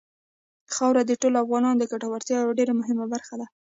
خاوره د ټولو افغانانو د ګټورتیا یوه ډېره مهمه برخه ده.